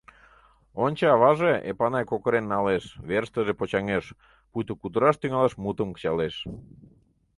— Ончо, аваже, — Эпанай кокырен налеш, верыштыже почаҥеш, пуйто кутыраш тӱҥалаш мутым кычалеш.